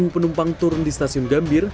lima belas penumpang turun di stasiun gambir